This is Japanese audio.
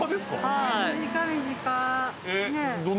はい。